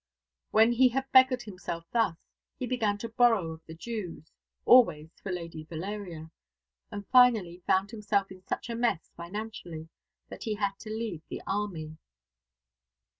When he had beggared himself thus, he began to borrow of the Jews always for Lady Valeria and finally found himself in such a mess, financially, that he had to leave the army.